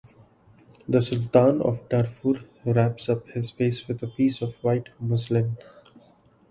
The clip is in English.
The Sultan of Darfur wraps up his face with a piece of white muslin.